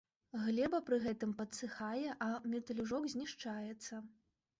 Глеба пры гэтым падсыхае, а метлюжок знішчаецца.